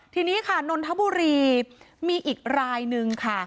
ทีนี้ค่ะนนทบุรีมีอีกรายนึงค่ะ